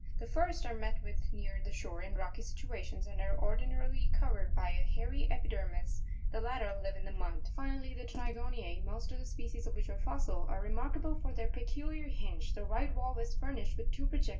The first are met with near the shore in rocky situations, and are ordinarily covered by a hairy epidermis; the latter live in the mud. 20. Finally, the TR1c¢on1#, most of the species of which are fossil, are remarkable for their peculiar hinge; the right valve is furnished with two projecting plates, crenulate Fig.